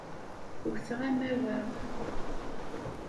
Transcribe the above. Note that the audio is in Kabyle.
Wteɣ amawaɣ.